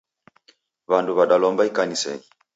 W'andu w'andalomba ikanisenyi.